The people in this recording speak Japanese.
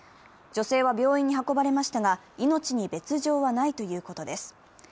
女性は病院に運ばれましたが命に別状はないということです。